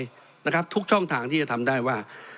เพราะฉะนั้นโทษเหล่านี้มีทั้งสิ่งที่ผิดกฎหมายใหญ่นะครับ